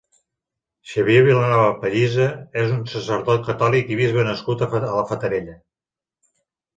Xavier Vilanova Pellisa és un sacerdot catòlic i bisbe nascut a la Fatarella.